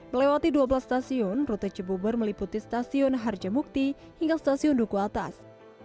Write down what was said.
melewati dua belas stasiun rute cibubur meliputi stasiun harjamukti hingga stasiun duku atas